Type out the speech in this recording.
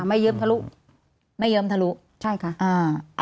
ไม่เยิ้มทะลุใช่ค่ะ